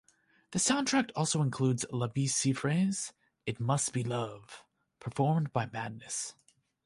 The soundtrack also includes Labi Siffre's "It Must Be Love", performed by Madness.